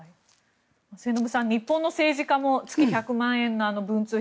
末延さん、日本の政治家も月１００万円の文通費